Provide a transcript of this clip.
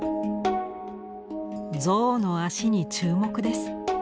象の足に注目です。